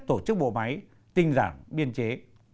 tổ chức bộ máy tinh giản biên chế